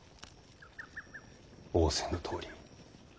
仰せのとおりに。